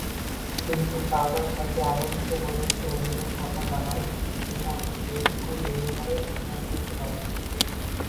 কিন্তু কার্টার তাকে আরো উচ্চপদস্থ একজনের কথা জানায় শুধুমাত্র সেই লোকই এই ব্যাপারে সিদ্ধান্ত নিতে পারবে।